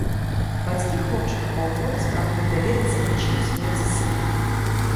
Бацькі хлопчыка паўгода спрабуюць даведацца прычыну смерці сына.